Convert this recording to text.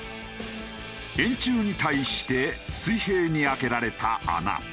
円柱に対して水平にあけられた穴。